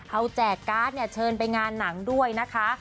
เอาแจกการ์ดเนี่ยเชิญไปงานหนังด้วยนะคะ